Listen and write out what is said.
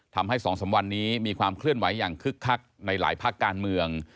๒๓วันนี้มีความเคลื่อนไหวอย่างคึกคักในหลายภาคการเมือง